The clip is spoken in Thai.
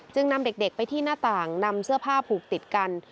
นำเด็กไปที่หน้าต่างนำเสื้อผ้าผูกติดกัน